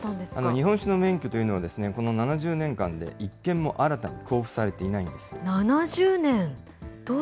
日本酒の免許というのは、この７０年間で１件も新たに交付さ７０年。